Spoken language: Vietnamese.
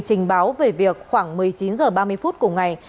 trình báo về việc khoảng một mươi chín h ba mươi phút cùng ngày